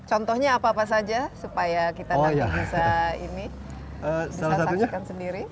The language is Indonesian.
contohnya apa apa saja supaya kita nanti bisa ini bisa saksikan sendiri